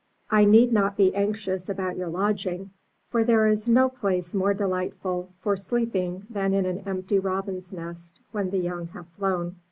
I need not be anxious about your lodging, for there is no place more delightful for sleeping in than an empty robin's nest when the young have flown.